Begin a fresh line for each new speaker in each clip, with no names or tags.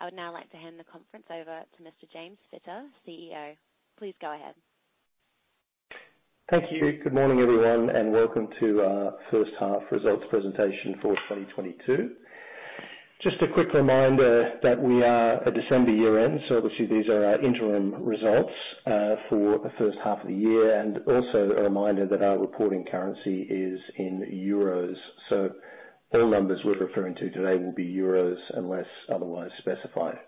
I would now like to hand the conference over to Mr. James Fitter, CEO. Please go ahead.
Thank you. Good morning, everyone, and welcome to our first half results presentation for 2022. Just a quick reminder that we are a December year-end, so obviously these are our interim results for the first half of the year. Also a reminder that our reporting currency is in euros. All numbers we're referring to today will be euros unless otherwise specified.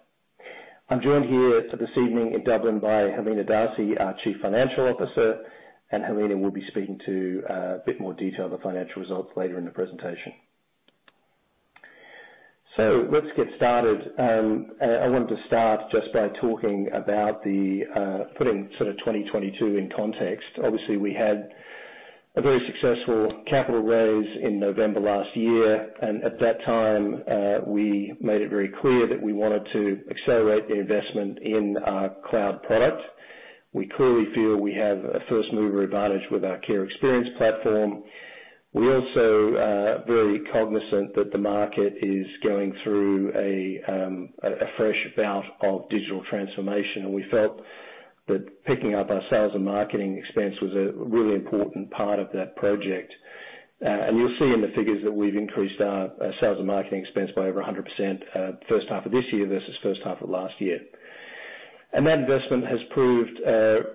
I'm joined here this evening in Dublin by Helena D'Arcy, our Chief Financial Officer, and Helena will be speaking to a bit more detail of the financial results later in the presentation. Let's get started. I wanted to start just by talking about the putting 2022 in context. Obviously, we had a very successful capital raise in November last year, and at that time, we made it very clear that we wanted to accelerate the investment in our cloud product. We clearly feel we have a first-mover advantage with our Care Experience Platform. We're also very cognizant that the market is going through a fresh bout of digital transformation, and we felt that picking up our sales and marketing expense was a really important part of that project. You'll see in the figures that we've increased our sales and marketing expense by over 100%, first half of this year versus first half of last year. That investment has proved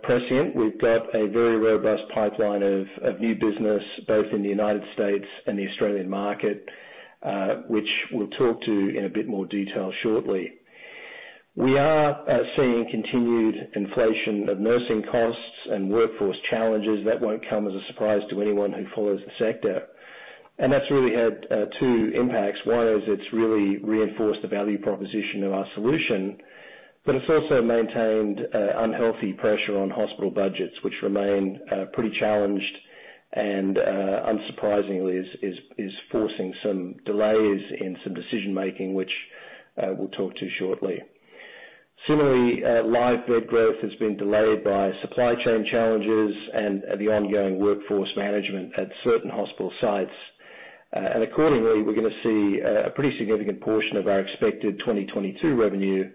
prescient. We've got a very robust pipeline of new business, both in the United States and the Australian market, which we'll talk to in a bit more detail shortly. We are seeing continued inflation of nursing costs and workforce challenges. That won't come as a surprise to anyone who follows the sector. That's really had two impacts. One is it's really reinforced the value proposition of our solution, but it's also maintained unhealthy pressure on hospital budgets, which remain pretty challenged and, unsurprisingly is forcing some delays in some decision-making which, we'll talk to shortly. Similarly, live bed growth has been delayed by supply chain challenges and the ongoing workforce management at certain hospital sites. Accordingly, we're gonna see a pretty significant portion of our expected 2022 revenue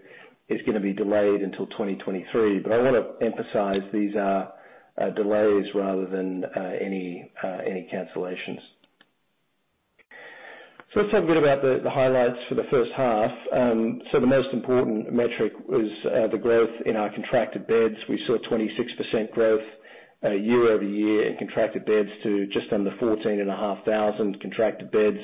is gonna be delayed until 2023. I wanna emphasize these are delays rather than any cancellations. Let's talk a bit about the highlights for the first half. The most important metric was the growth in our contracted beds. We saw 26% growth year-over-year in contracted beds to just under 14,500 contracted beds,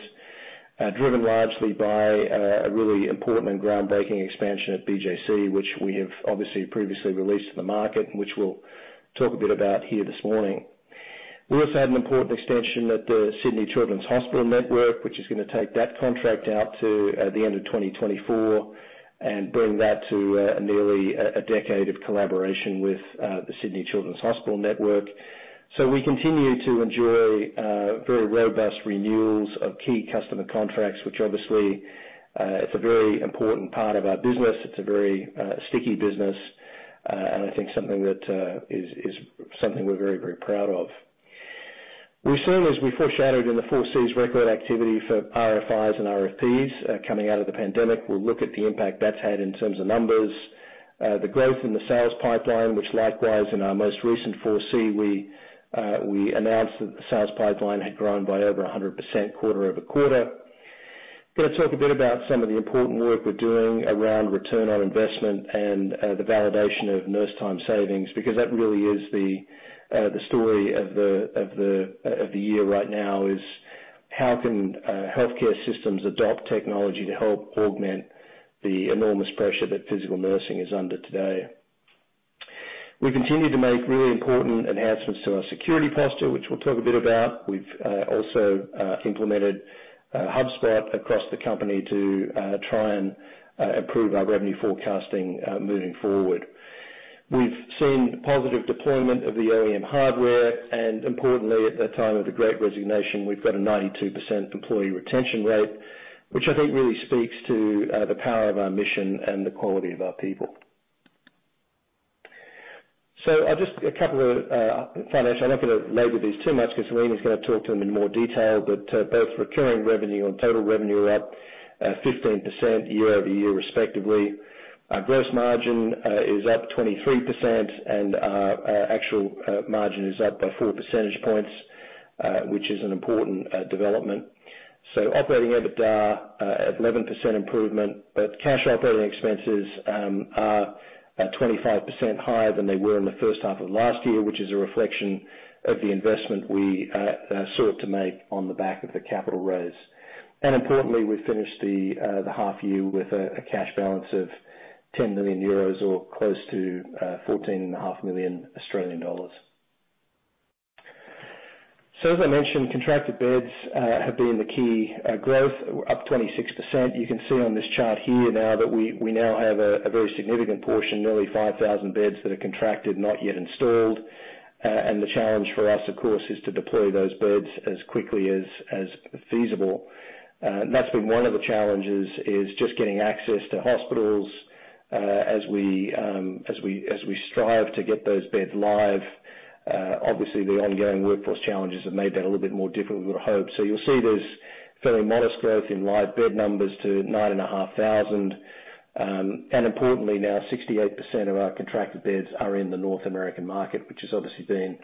driven largely by a really important and groundbreaking expansion at BJC, which we have obviously previously released to the market and which we'll talk a bit about here this morning. We also had an important extension at the Sydney Children's Hospitals Network, which is gonna take that contract out to the end of 2024 and bring that to nearly a decade of collaboration with the Sydney Children's Hospitals Network. We continue to enjoy very robust renewals of key customer contracts, which obviously it's a very important part of our business. It's a very sticky business, and I think something that is something we're very, very proud of. We saw, as we foreshadowed in the 4C's record activity for RFIs and RFPs coming out of the pandemic. We'll look at the impact that's had in terms of numbers. The growth in the sales pipeline, which likewise in our most recent 4C we announced that the sales pipeline had grown by over 100% quarter-over-quarter. Gonna talk a bit about some of the important work we're doing around return on investment and the validation of nurse time savings, because that really is the story of the year right now is how can healthcare systems adopt technology to help augment the enormous pressure that physical nursing is under today. We continue to make really important enhancements to our security posture, which we'll talk a bit about. We've also implemented HubSpot across the company to try and improve our revenue forecasting moving forward. We've seen positive deployment of the OEM hardware, and importantly, at the time of the Great Resignation, we've got a 92% employee retention rate, which I think really speaks to the power of our mission and the quality of our people. I'm not gonna labor these too much 'cause Helena's gonna talk to them in more detail, but both recurring revenue and total revenue are up 15% year-over-year, respectively. Our gross margin is up 23%, and our actual margin is up by 4 percentage points, which is an important development. Operating EBITDA at 11% improvement, but cash operating expenses are 25% higher than they were in the first half of last year, which is a reflection of the investment we sought to make on the back of the capital raise. Importantly, we finished the half year with a cash balance of 10 million euros or close to 14.5 million Australian dollars. As I mentioned, contracted beds have been the key growth, up 26%. You can see on this chart here now that we now have a very significant portion, nearly 5,000 beds that are contracted, not yet installed. The challenge for us, of course, is to deploy those beds as quickly as feasible. That's been one of the challenges, just getting access to hospitals. As we strive to get those beds live, obviously the ongoing workforce challenges have made that a little bit more difficult than we'd hoped. You'll see there's fairly modest growth in live bed numbers to 9,500. Importantly now 68% of our contracted beds are in the North American market, which has obviously been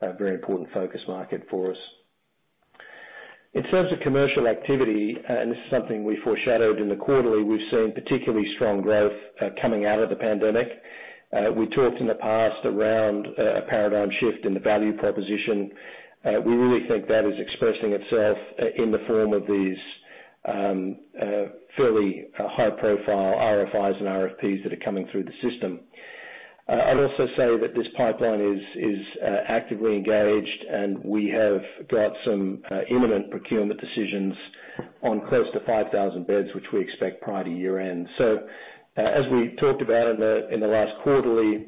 a very important focus market for us. In terms of commercial activity, this is something we foreshadowed in the quarterly. We've seen particularly strong growth coming out of the pandemic. We talked in the past around a paradigm shift in the value proposition. We really think that is expressing itself in the form of these fairly high profile RFIs and RFPs that are coming through the system. I'd also say that this pipeline is actively engaged, and we have got some imminent procurement decisions on close to 5,000 beds, which we expect prior to year-end. As we talked about in the last quarterly,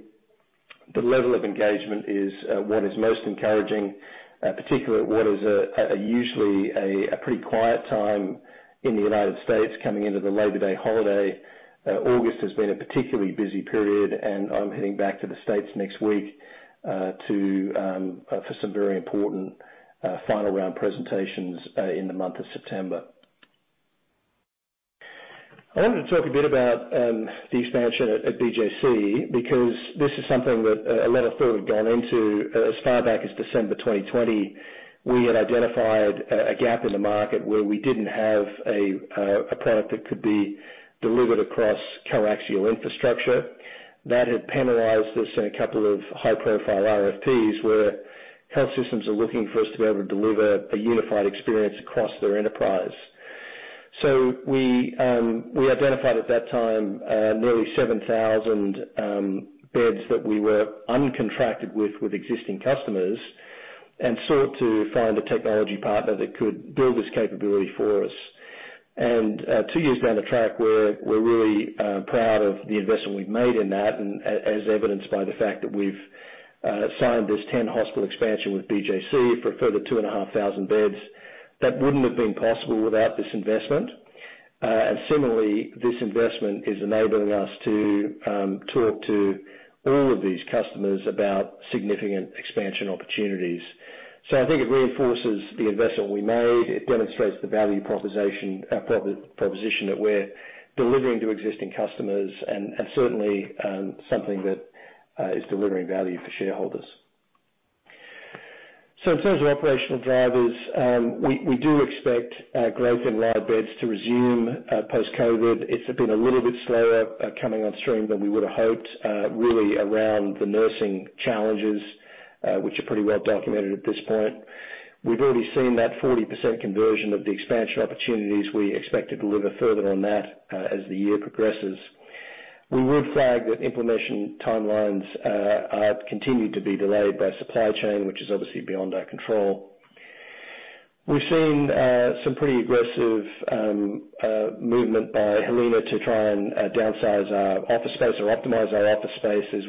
the level of engagement is what is most encouraging, particularly at what is usually a pretty quiet time in the United States coming into the Labor Day holiday. August has been a particularly busy period, and I'm heading back to the States next week for some very important final round presentations in the month of September. I wanted to talk a bit about the expansion at BJC because this is something that a lot of thought had gone into as far back as December 2020. We had identified a gap in the market where we didn't have a product that could be delivered across coaxial infrastructure. That had penalized us in a couple of high-profile RFPs, where health systems are looking for us to be able to deliver a unified experience across their enterprise. We identified at that time nearly 7,000 beds that we were uncontracted with existing customers and sought to find a technology partner that could build this capability for us. Two years down the track, we're really proud of the investment we've made in that. As evidenced by the fact that we've signed this 10-hospital expansion with BJC for a further 2,500 beds, that wouldn't have been possible without this investment. Similarly, this investment is enabling us to talk to all of these customers about significant expansion opportunities. I think it reinforces the investment we made. It demonstrates the value proposition that we're delivering to existing customers and certainly something that is delivering value for shareholders. In terms of operational drivers, we do expect growth in live beds to resume post-COVID. It's been a little bit slower coming on stream than we would have hoped really around the nursing challenges which are pretty well documented at this point. We've already seen that 40% conversion of the expansion opportunities. We expect to deliver further on that as the year progresses. We would flag that implementation timelines are continued to be delayed by supply chain, which is obviously beyond our control. We've seen some pretty aggressive movement by Helena to try and downsize our office space or optimize our office space as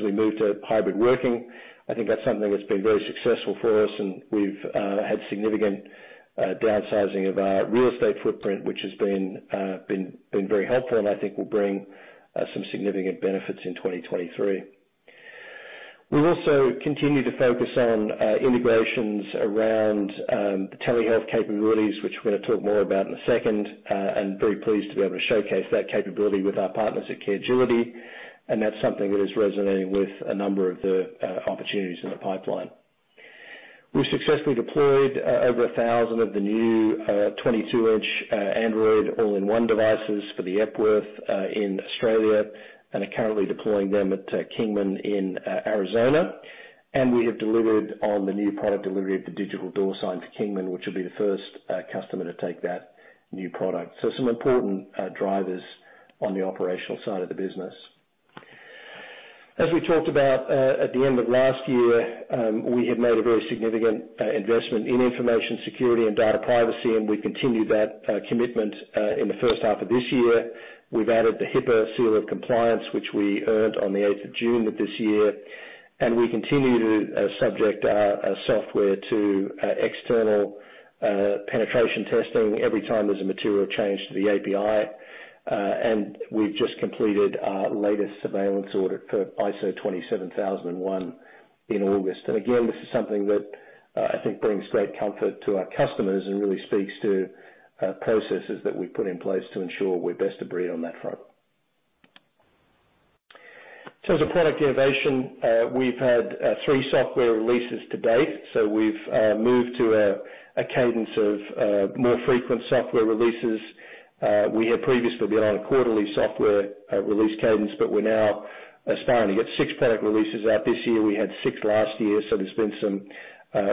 we move to hybrid working. I think that's something that's been very successful for us, and we've had significant downsizing of our real estate footprint, which has been very helpful and I think will bring some significant benefits in 2023. We also continue to focus on integrations around the telehealth capabilities, which we're gonna talk more about in a second, and very pleased to be able to showcase that capability with our partners at Caregility. That's something that is resonating with a number of the opportunities in the pipeline. We successfully deployed over 1,000 of the new 22-inch Android all-in-one devices for the Epworth in Australia and are currently deploying them at Kingman in Arizona. We have delivered on the new product delivery of the Digital Door Sign to Kingman, which will be the first customer to take that new product. Some important drivers on the operational side of the business. As we talked about at the end of last year, we have made a very significant investment in information security and data privacy, and we continue that commitment in the first half of this year. We've added the HIPAA Seal of Compliance, which we earned on the 8th of June of this year. We continue to subject our software to external penetration testing every time there's a material change to the API. We've just completed our latest surveillance audit for ISO 27001 in August. This is something that, I think brings great comfort to our customers and really speaks to, processes that we've put in place to ensure we're best of breed on that front. In terms of product innovation, we've had, three software releases to date, so we've, moved to a cadence of, more frequent software releases. We had previously been on a quarterly software, release cadence, but we're now aspiring to get six product releases out this year. We had six last year, so there's been some,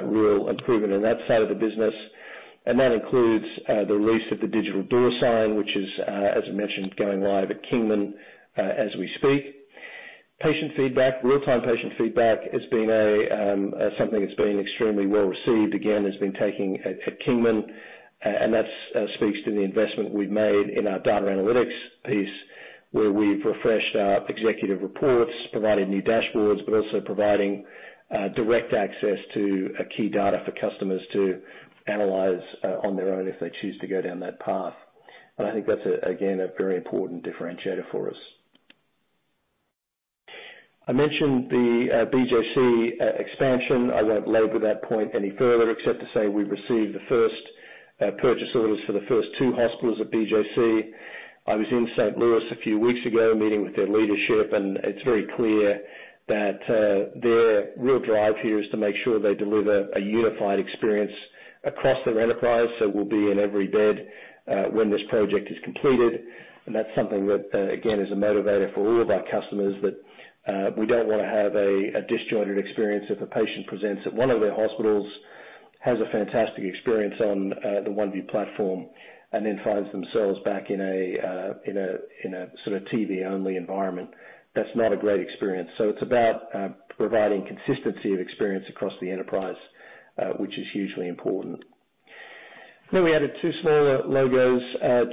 real improvement on that side of the business. That includes, the release of the Digital Door Sign, which is, as I mentioned, going live at Kingman, as we speak. Patient feedback, real-time patient feedback has been a, something that's been extremely well received. Again, it has been taking place at Kingman. That speaks to the investment we've made in our data analytics piece, where we've refreshed our executive reports, provided new dashboards, but also providing direct access to key data for customers to analyze on their own if they choose to go down that path. I think that's again a very important differentiator for us. I mentioned the BJC expansion. I won't labor that point any further except to say we've received the first purchase orders for the first two hospitals at BJC. I was in St. Louis a few weeks ago meeting with their leadership, and it's very clear that their real drive here is to make sure they deliver a unified experience across their enterprise, so we'll be in every bed when this project is completed. That's something that, again, is a motivator for all of our customers that we don't wanna have a disjointed experience if a patient presents at one of their hospitals, has a fantastic experience on the Oneview platform, and then finds themselves back in a sort of TV-only environment. That's not a great experience. It's about providing consistency of experience across the enterprise, which is hugely important. We added two smaller logos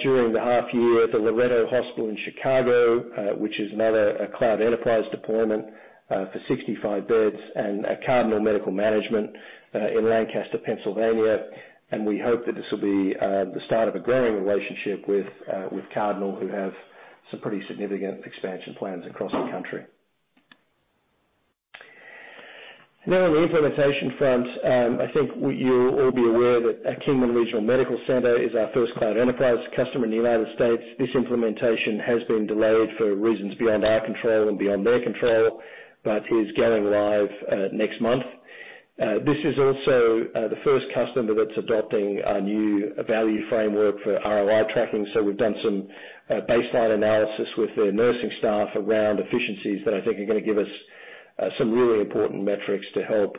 during the half year, the Loretto Hospital in Chicago, which is another Cloud Enterprise deployment for 65 beds, and Cardinal Medical Management in Lancaster, Pennsylvania. We hope that this will be the start of a growing relationship with Cardinal, who have some pretty significant expansion plans across the country. Now on the implementation front, I think you'll all be aware that Kingman Regional Medical Center is our first Cloud Enterprise customer in the United States. This implementation has been delayed for reasons beyond our control and beyond their control, but is going live next month. This is also the first customer that's adopting our new value framework for ROI tracking, so we've done some baseline analysis with their nursing staff around efficiencies that I think are gonna give us some really important metrics to help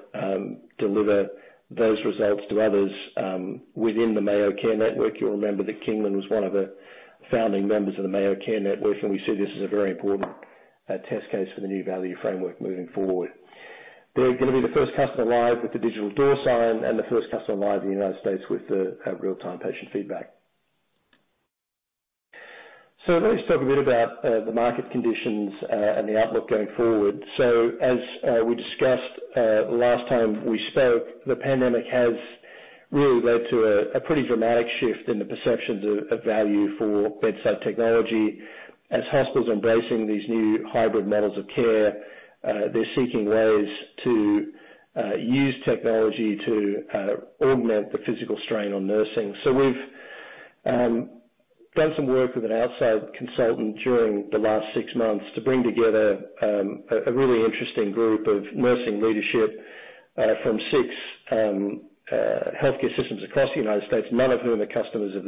deliver those results to others within the Mayo Care Network. You'll remember that Kingman was one of the founding members of the Mayo Care Network, and we see this as a very important test case for the new value framework moving forward. They're gonna be the first customer live with the Digital Door Sign and the first customer live in the United States with the real-time patient feedback. Let me just talk a bit about the market conditions and the outlook going forward. As we discussed last time we spoke, the pandemic has really led to a pretty dramatic shift in the perceptions of value for bedside technology. As hospitals are embracing these new hybrid models of care, they're seeking ways to use technology to augment the physical strain on nursing. We've done some work with an outside consultant during the last six months to bring together a really interesting group of nursing leadership from six healthcare systems across the United States, none of whom are customers of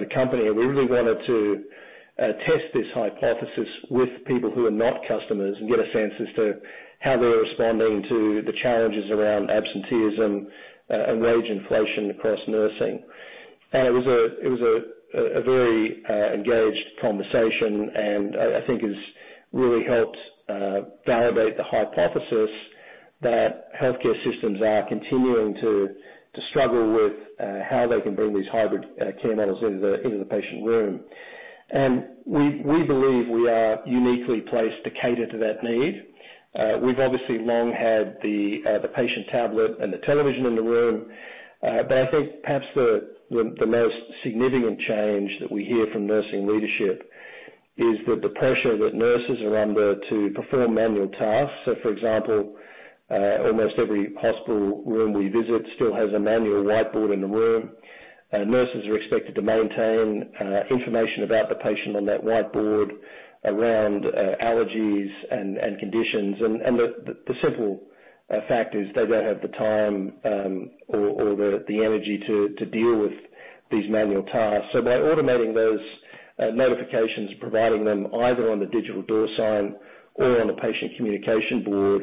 the company. We really wanted to test this hypothesis with people who are not customers and get a sense as to how they're responding to the challenges around absenteeism and wage inflation across nursing. It was a very engaged conversation, and I think it's really helped validate the hypothesis that healthcare systems are continuing to struggle with how they can bring these hybrid care models into the patient room. We believe we are uniquely placed to cater to that need. We've obviously long had the patient tablet and the television in the room. But I think perhaps the most significant change that we hear from nursing leadership is that the pressure that nurses are under to perform manual tasks. For example, almost every hospital room we visit still has a manual whiteboard in the room, and nurses are expected to maintain information about the patient on that whiteboard around allergies and conditions. The simple fact is they don't have the time or the energy to deal with these manual tasks. By automating those notifications, providing them either on the Digital Door Sign or on the patient communication board,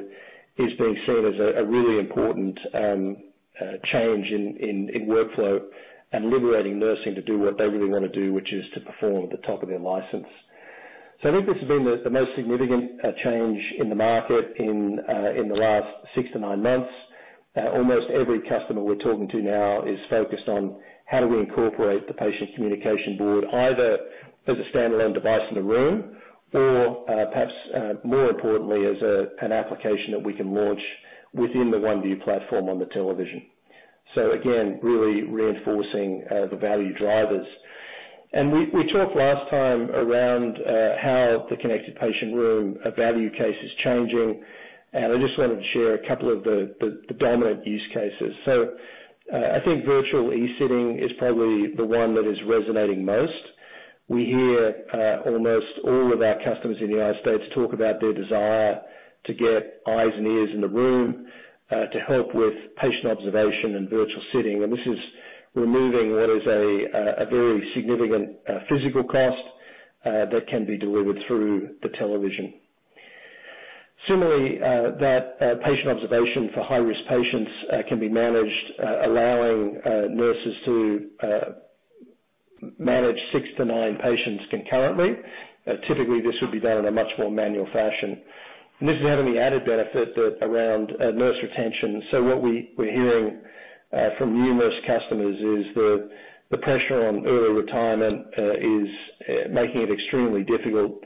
is being seen as a really important change in workflow and liberating nursing to do what they really wanna do, which is to perform at the top of their license. I think this has been the most significant change in the market in the last six months-nine months. Almost every customer we're talking to now is focused on how do we incorporate the patient communication board, either as a standalone device in a room, or perhaps, more importantly, as an application that we can launch within the Oneview platform on the television. Again, really reinforcing the value drivers. We talked last time around how the connected patient room value case is changing, and I just wanted to share a couple of the dominant use cases. I think virtual sitting is probably the one that is resonating most. We hear almost all of our customers in the United States talk about their desire to get eyes and ears in the room to help with patient observation and virtual sitting. This is removing what is a very significant physical cost that can be delivered through the television. Similarly, that patient observation for high-risk patients can be managed, allowing nurses to manage six patients-nine patients concurrently. Typically, this would be done in a much more manual fashion. This is having the added benefit around nurse retention. What we're hearing from numerous customers is the pressure on early retirement is making it extremely difficult.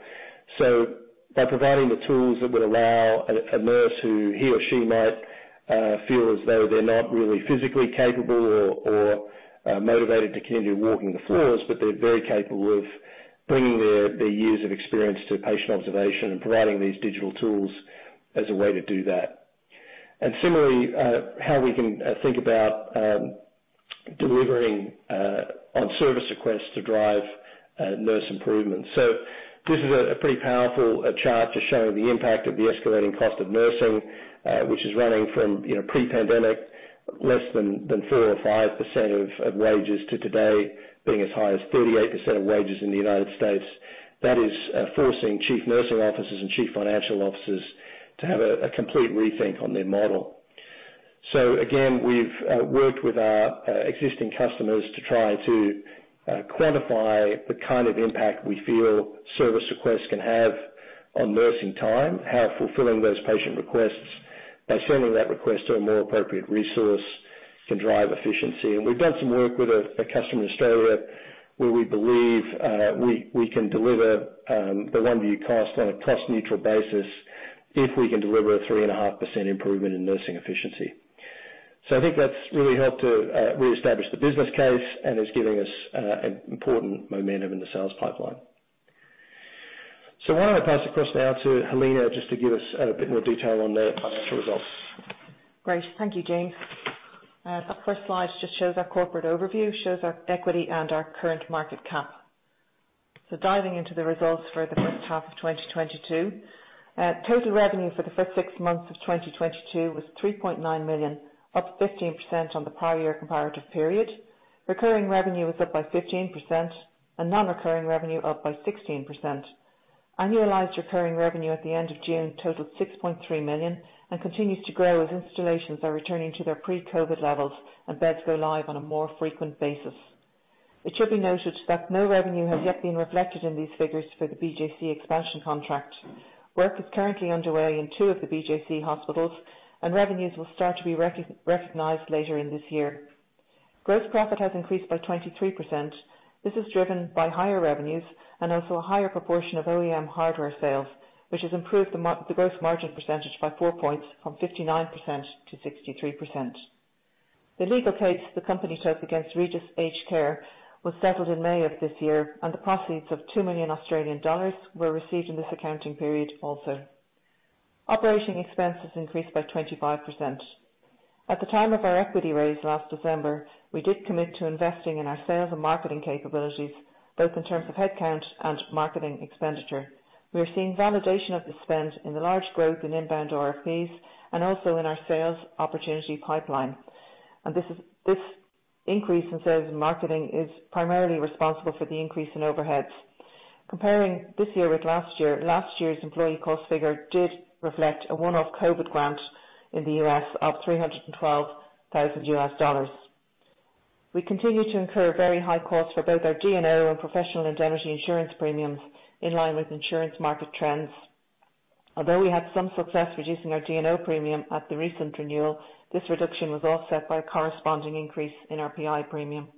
By providing the tools that would allow a nurse who he or she might feel as though they're not really physically capable or motivated to continue walking the floors, but they're very capable of bringing their years of experience to patient observation and providing these digital tools as a way to do that. Similarly, how we can think about delivering on service requests to drive nurse improvement. This is a pretty powerful chart just showing the impact of the escalating cost of nursing, which is running from pre-pandemic less than 4% or 5% of wages to today being as high as 38% of wages in the United States. That is forcing chief nursing officers and chief financial officers to have a complete rethink on their model. Again, we've worked with our existing customers to try to quantify the kind of impact we feel service requests can have on nursing time. How fulfilling those patient requests by sending that request to a more appropriate resource can drive efficiency. We've done some work with a customer in Australia, where we believe we can deliver the Oneview cost on a cost-neutral basis if we can deliver a 3.5% improvement in nursing efficiency. I think that's really helped to reestablish the business case and is giving us important momentum in the sales pipeline. Why don't I pass across now to Helena just to give us a bit more detail on the financial results.
Great. Thank you, James. The first slide just shows our corporate overview, shows our equity and our current market cap. Diving into the results for the first half of 2022. Total revenue for the first six months of 2022 was 3.9 million, up 15% on the prior year comparative period. Recurring revenue was up by 15% and non-recurring revenue up by 16%. Annualized recurring revenue at the end of June totaled 6.3 million and continues to grow as installations are returning to their pre-COVID levels and beds go live on a more frequent basis. It should be noted that no revenue has yet been reflected in these figures for the BJC expansion contract. Work is currently underway in two of the BJC hospitals, and revenues will start to be recognized later in this year. Gross profit has increased by 23%. This is driven by higher revenues and also a higher proportion of OEM hardware sales, which has improved the gross margin percentage by 4 points from 59% to 63%. The legal case the company took against Regis Aged Care was settled in May of this year, and the proceeds of 2 million Australian dollars were received in this accounting period also. Operating expenses increased by 25%. At the time of our equity raise last December, we did commit to investing in our sales and marketing capabilities, both in terms of headcount and marketing expenditure. We are seeing validation of the spend in the large growth in inbound RFPs and also in our sales opportunity pipeline. This increase in sales and marketing is primarily responsible for the increase in overheads. Comparing this year with last year, last year's employee cost figure did reflect a one-off COVID grant in the US of $312,000. We continue to incur very high costs for both our D&O and professional indemnity insurance premiums in line with insurance market trends. Although we had some success reducing our D&O premium at the recent renewal, this reduction was offset by a corresponding increase in our PI premium.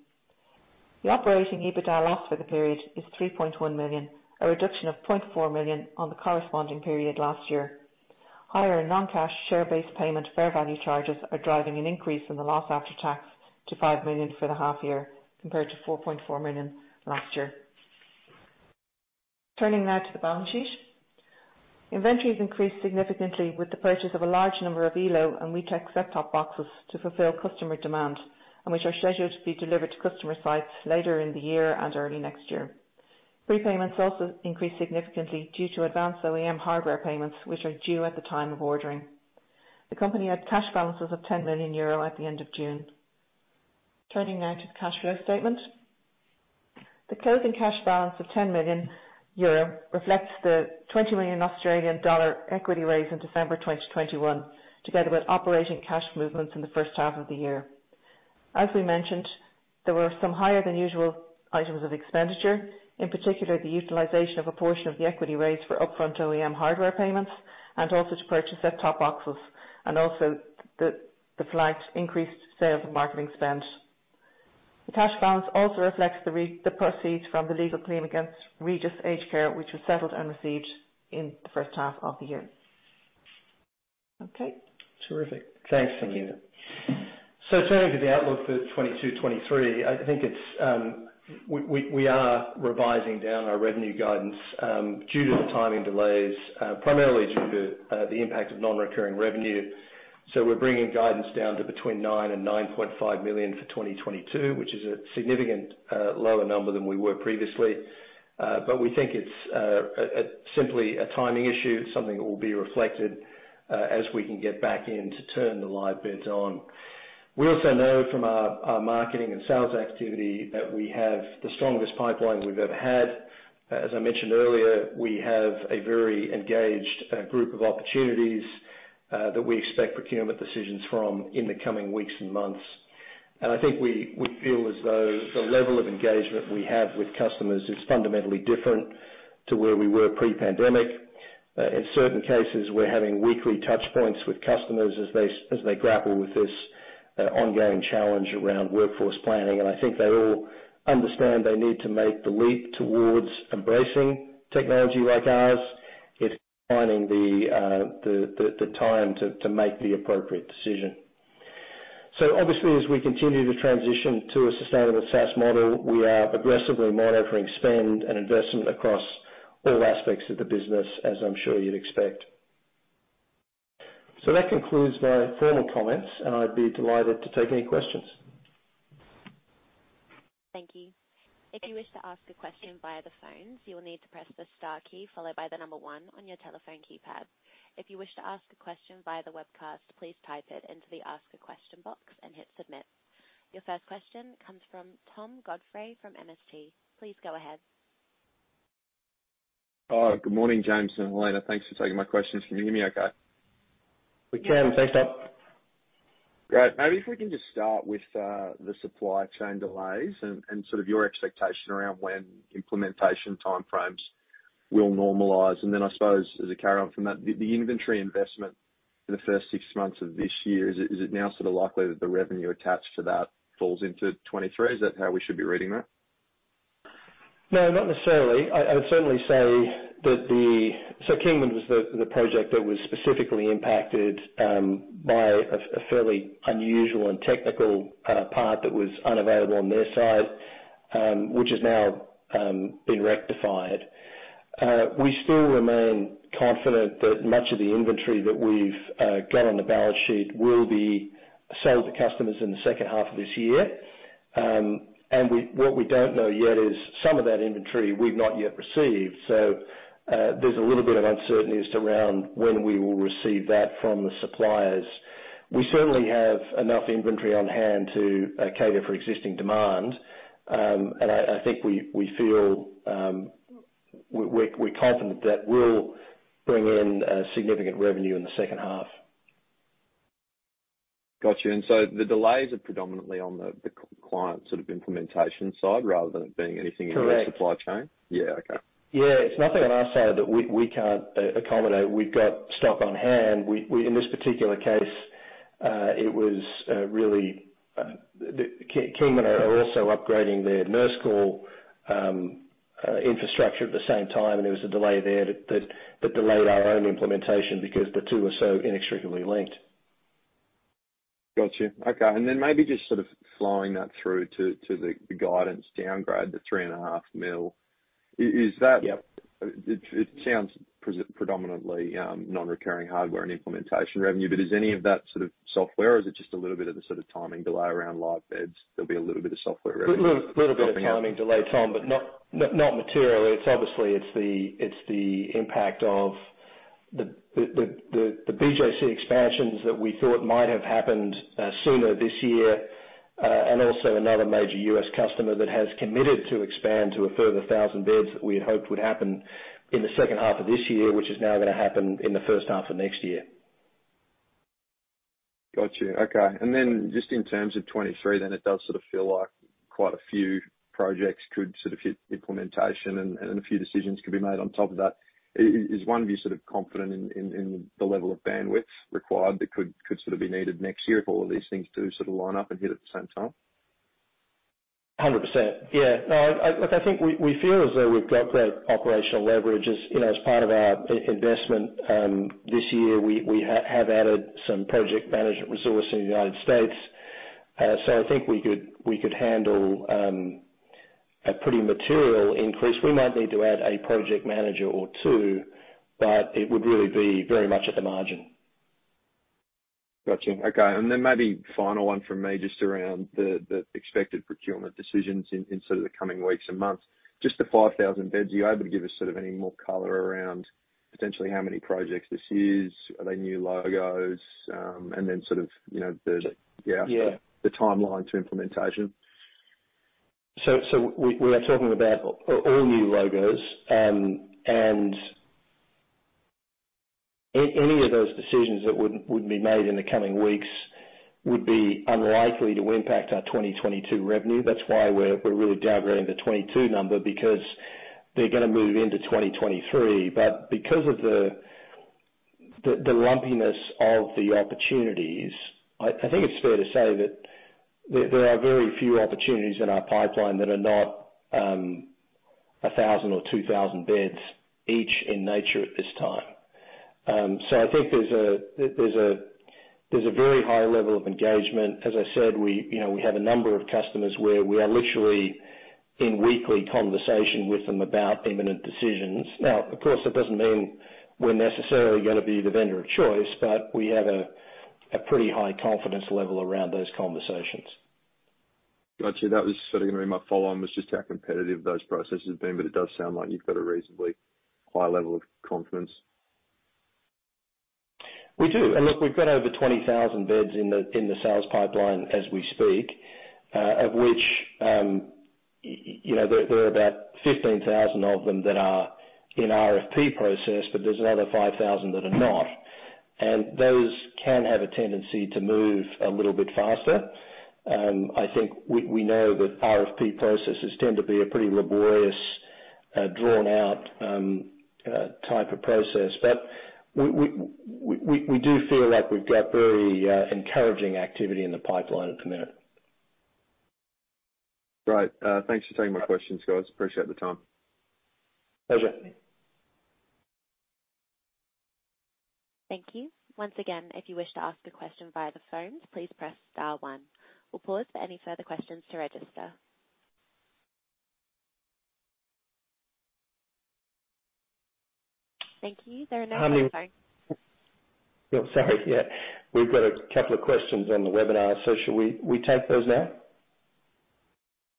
The operating EBITDA loss for the period is 3.1 million, a reduction of 0.4 million on the corresponding period last year. Higher non-cash share-based payment fair value charges are driving an increase in the loss after tax to 5 million for the half year, compared to 4.4 million last year. Turning now to the balance sheet. Inventories increased significantly with the purchase of a large number of Elo and WeTek set-top boxes to fulfill customer demand and which are scheduled to be delivered to customer sites later in the year and early next year. Prepayments also increased significantly due to advanced OEM hardware payments, which are due at the time of ordering. The company had cash balances of 10 million euro at the end of June. Turning now to the cash flow statement. The closing cash balance of 10 million euro reflects the 20 million Australian dollar equity raise in December 2021, together with operating cash movements in the first half of the year. As we mentioned, there were some higher than usual items of expenditure, in particular, the utilization of a portion of the equity raise for upfront OEM hardware payments and also to purchase set-top boxes and also the flagged increased sales and marketing spend. The cash balance also reflects the proceeds from the legal claim against Regis Aged Care, which was settled and received in the first half of the year. Okay.
Terrific. Thanks, Helena.
Thank you.
Turning to the outlook for 2022-2023, I think we are revising down our revenue guidance due to the timing delays, primarily due to the impact of non-recurring revenue. We're bringing guidance down to between 9 million and 9.5 million for 2022, which is a significantly lower number than we were previously. We think it's simply a timing issue, something that will be reflected as we can get back into turning the live beds on. We also know from our marketing and sales activity that we have the strongest pipeline we've ever had. As I mentioned earlier, we have a very engaged group of opportunities that we expect procurement decisions from in the coming weeks and months. I think we feel as though the level of engagement we have with customers is fundamentally different to where we were pre-pandemic. In certain cases, we're having weekly touch points with customers as they grapple with this ongoing challenge around workforce planning. I think they all understand they need to make the leap towards embracing technology like ours. It's finding the time to make the appropriate decision. Obviously, as we continue to transition to a sustainable SaaS model, we are aggressively monitoring spend and investment across all aspects of the business, as I'm sure you'd expect. That concludes my formal comments, and I'd be delighted to take any questions.
Thank you. If you wish to ask a question via the phone, you will need to press the star key followed by the number one on your telephone keypad. If you wish to ask a question via the webcast, please type it into the ask a question box and hit submit. Your first question comes from Tom Godfrey from MST. Please go ahead.
Good morning, James and Helena. Thanks for taking my questions. Can you hear me okay?
We can. Thanks, Tom.
Great. Maybe if we can just start with the supply chain delays and sort of your expectation around when implementation time frames will normalize. Then I suppose, as a carry-on from that, the inventory investment for the first six months of this year, is it now sort of likely that the revenue attached to that falls into 2023? Is that how we should be reading that?
No, not necessarily. I would certainly say that Kingman was the project that was specifically impacted by a fairly unusual and technical part that was unavailable on their side, which has now been rectified. We still remain confident that much of the inventory that we've got on the balance sheet will be sold to customers in the second half of this year. What we don't know yet is some of that inventory we've not yet received. There's a little bit of uncertainty as to around when we will receive that from the suppliers. We certainly have enough inventory on hand to cater for existing demand. I think we feel, we're confident that we'll bring in a significant revenue in the second half.
Got you. The delays are predominantly on the client sort of implementation side rather than it being anything in the supply chain? Yeah. Okay.
Correct. Yeah. It's nothing on our side that we can't accommodate. We've got stock on hand. In this particular case, it was really the Kingman are also upgrading their nurse call infrastructure at the same time, and there was a delay there that delayed our own implementation because the two were so inextricably linked.
Got you. Okay. Maybe just sort of flowing that through to the guidance downgrade to 3.5 million.
Yep.
Is that, it sounds predominantly non-recurring hardware and implementation revenue, but is any of that sort of software, or is it just a little bit of the sort of timing delay around live beds? There'll be a little bit of software revenue.
Little bit of timing delay, Tom, but not materially. It's obviously the impact of the BJC expansions that we thought might have happened sooner this year, and also another major U.S. customer that has committed to expand to a further 1,000 beds that we had hoped would happen in the second half of this year, which is now gonna happen in the first half of next year.
Got you. Okay. Just in terms of 2023, it does sort of feel like quite a few projects could sort of hit implementation and a few decisions could be made on top of that. Is Oneview sort of confident in the level of bandwidth required that could sort of be needed next year if all of these things do sort of line up and hit at the same time?
100%. Yeah. No. Look, I think we feel as though we've got great operational leverage. As you know, as part of our investment this year, we have added some project management resource in the United States. So I think we could handle a pretty material increase. We might need to add a project manager or two, but it would really be very much at the margin.
Got you. Okay. Maybe final one from me, just around the expected procurement decisions in sort of the coming weeks and months. Just the 5,000 beds, are you able to give us sort of any more color around potentially how many projects this is? Are they new logos? And then sort of, you know.
Yeah.
Yeah. The timeline to implementation.
We are talking about all new logos. Any of those decisions that would be made in the coming weeks would be unlikely to impact our 2022 revenue. That's why we're really downgrading the 2022 number because they're gonna move into 2023. Because of the lumpiness of the opportunities, I think it's fair to say that there are very few opportunities in our pipeline that are not 1,000 or 2,000 beds each in nature at this time. I think there's a very high level of engagement. As I said, you know, we have a number of customers where we are literally in weekly conversation with them about imminent decisions. Now, of course, that doesn't mean we're necessarily gonna be the vendor of choice, but we have a pretty high confidence level around those conversations.
Got you. That was sort of gonna be my follow-on, was just how competitive those processes have been, but it does sound like you've got a reasonably high level of confidence.
We do. Look, we've got over 20,000 beds in the sales pipeline as we speak, of which, you know, there are about 15,000 beds of them that are in RFP process, but there's another 5,000 beds that are not. Those can have a tendency to move a little bit faster. I think we know that RFP processes tend to be a pretty laborious, drawn-out type of process. We do feel like we've got very encouraging activity in the pipeline at the minute.
Great. Thanks for taking my questions, guys. Appreciate the time.
Pleasure.
Thank you. Once again, if you wish to ask a question via the phones, please press star one. We'll pause for any further questions to register. Thank you.
How many.
Sorry.
Oh, sorry. Yeah. We've got a couple of questions on the webinar, so should we take those now?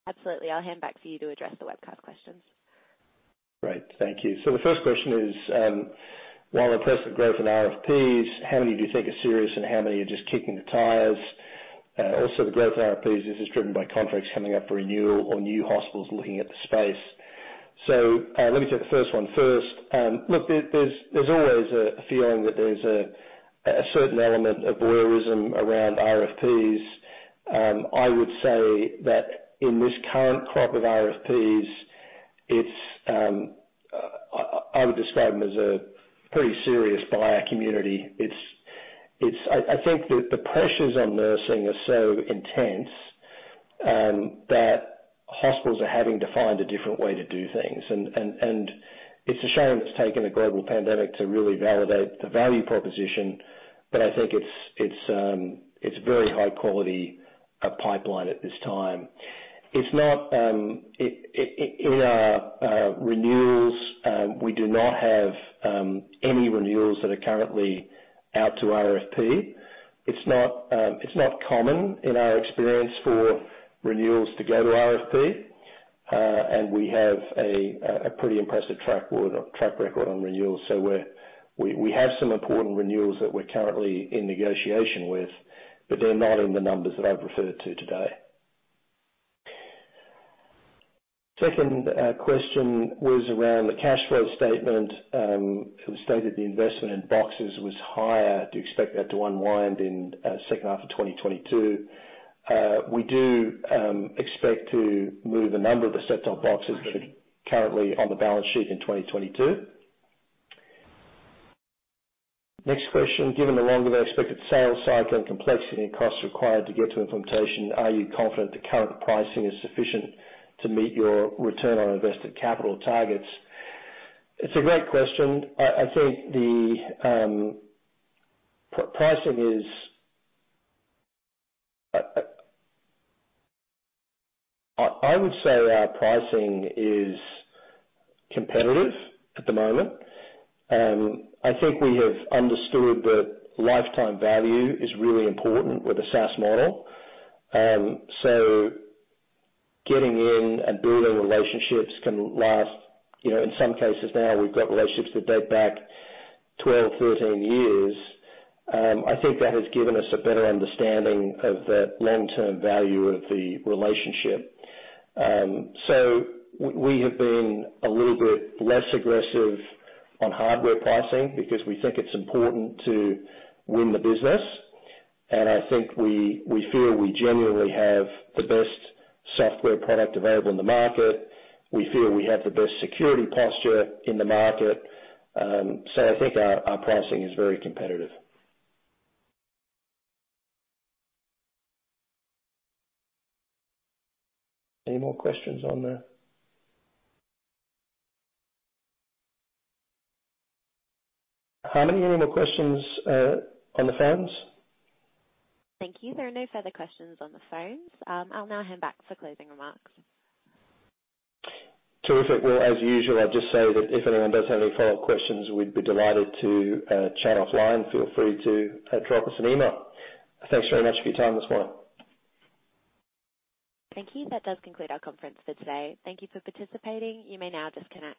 Absolutely. I'll hand back to you to address the webcast questions.
Great. Thank you. The first question is, while impressive growth in RFPs, how many do you think are serious and how many are just kicking the tires? Also, the growth in RFPs is just driven by contracts coming up for renewal or new hospitals looking at the space. Let me take the first one. First, look, there's always a feeling that there's a certain element of wariness around RFPs. I would say that in this current crop of RFPs it's. I would describe them as a pretty serious buyer community. It's. I think the pressures on nursing are so intense that hospitals are having to find a different way to do things. It's a shame it's taken a global pandemic to really validate the value proposition. I think it's very high quality pipeline at this time. In our renewals, we do not have any renewals that are currently out to RFP. It's not common in our experience for renewals to go to RFP. We have a pretty impressive track record on renewals. We have some important renewals that we're currently in negotiation with, but they're not in the numbers that I've referred to today. Second, question was around the cash flow statement. It was stated the investment in boxes was higher. Do you expect that to unwind in second half of 2022? We do expect to move a number of the set of boxes that are currently on the balance sheet in 2022. Next question. Given the longer than expected sales cycle and complexity and costs required to get to implementation, are you confident the current pricing is sufficient to meet your return on invested capital targets? It's a great question. I would say our pricing is competitive at the moment. I think we have understood that lifetime value is really important with the SaaS model. Getting in and building relationships can last, you know, in some cases now we've got relationships that date back 12, 13 years. I think that has given us a better understanding of that long-term value of the relationship. We have been a little bit less aggressive on hardware pricing because we think it's important to win the business, and I think we feel we generally have the best software product available in the market. We feel we have the best security posture in the market. I think our pricing is very competitive. Any more questions on there? Harmony, any more questions on the phones?
Thank you. There are no further questions on the phones. I'll now hand back for closing remarks.
Terrific. Well, as usual, I'll just say that if anyone does have any follow-up questions, we'd be delighted to chat offline. Feel free to drop us an email. Thanks very much for your time this morning.
Thank you. That does conclude our conference for today. Thank you for participating. You may now disconnect.